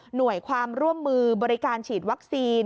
หน่วยความร่วมมือบริการฉีดวัคซีน